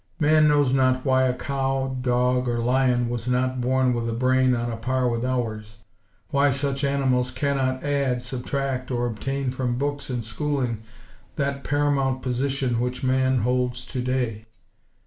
Man knows not why a cow, dog or lion was not born with a brain on a par with ours; why such animals cannot add, subtract, or obtain from books and schooling, that paramount position which Man holds today.